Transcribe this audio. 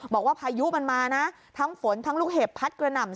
พายุมันมานะทั้งฝนทั้งลูกเห็บพัดกระหน่ำ